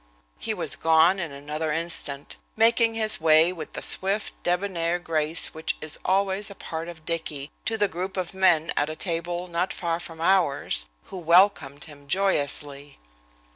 He was gone in another instant, making his way with the swift, debonair grace which is always a part of Dicky, to the group of men at a table not far from ours, who welcomed him joyously.